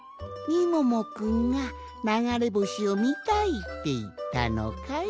みももくんがながれぼしをみたいっていったのかい？